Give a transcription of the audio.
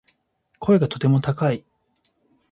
声がとても高い